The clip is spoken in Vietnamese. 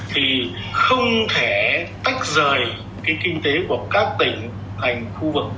thì không thể tách rời cái kinh tế của các tỉnh thành khu vực